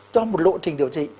cho một lộ trình điều trị